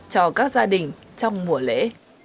cho các gia đình trong mùa lễ